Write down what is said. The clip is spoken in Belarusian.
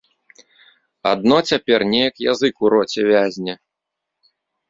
Адно цяпер неяк язык у роце вязне.